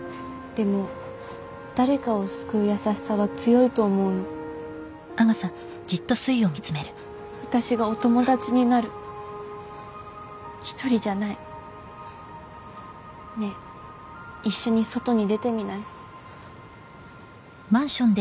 でも誰かを救う優しさは強いと思うの私がお友達になる１人じゃないねえ一緒に外に出てみない？